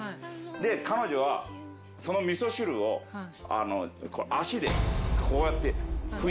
で彼女はその味噌汁を足でこうやって拭いたんす。